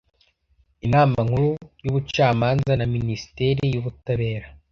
Inama Nkuru y’Ubucamanza na Minisiteri y’Ubutabera